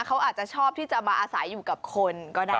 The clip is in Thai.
เขาอาจจะชอบที่จะมาอาศัยอยู่กับคนก็ได้